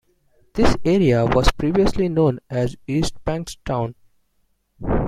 This area was previously known as East Bankstown.